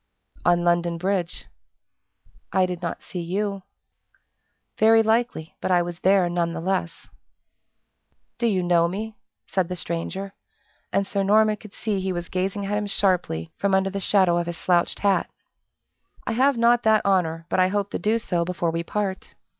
"On London Bridge." "I did not see you." "Very likely, but I was there none the less." "Do you know me?" said the stranger; and Sir Norman could see he was gazing at him sharply from under the shadow of his slouched hat. "I have not that honor, but I hope to do so before we part."